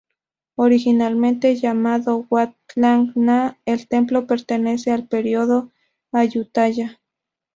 Originalmente llamado Wat Klang Na, el templo pertenece al período Ayutthaya.